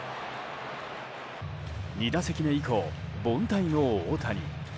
２打席目以降、凡退の大谷。